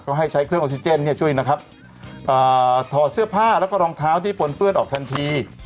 ก็ให้ใช้เครื่องออกซิเจนเนี่ยช่วยนะครับถอดเสื้อผ้าแล้วก็รองเท้าที่ปนเปื้อนออกทันที